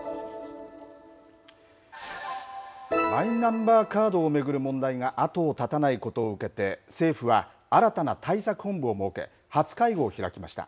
マイナンバーカードを巡る問題が後を絶たないことを受けて、政府は、新たな対策本部を設け、初会合を開きました。